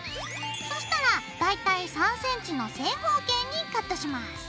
そうしたら大体３ｃｍの正方形にカットします。